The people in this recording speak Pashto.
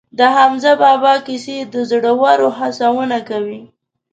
د حمزه بابا کیسې د زړورو هڅونه کوي.